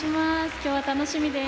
今日は楽しみです。